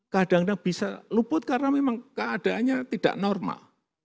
kadang kadang bisa luput karena memang keadaannya tidak normal